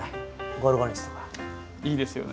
いいですよね。